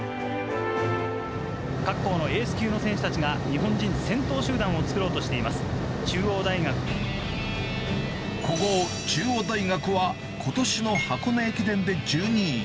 各校のレース級のエースたちが、日本人先頭集団を作ろうとし古豪、中央大学はことしの箱根駅伝で１２位。